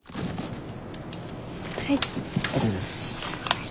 はい。